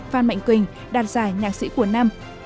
phan mạnh quỳnh đoạt giải nhạc sĩ của năm